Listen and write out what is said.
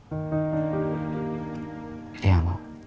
apa yang terbaik buat kamu